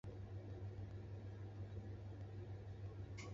向隋朝称藩。